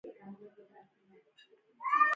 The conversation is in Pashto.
د وردګو شنه باغونه د رڼا سیوري دي.